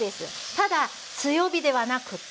ただ強火ではなくって。